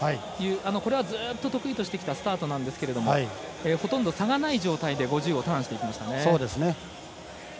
これはずっと得意としてきたスタートなんですけれどもほとんど差がない状態で５０をターンしていきましたね。